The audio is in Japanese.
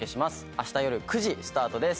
あした夜９時スタートです。